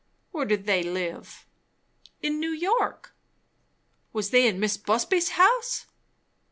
"Where did they live?" "In New York." "Was they in Mis' Busby's house?"